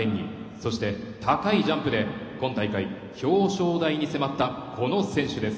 そして、高いジャンプで今大会表彰台に迫ったこの選手です。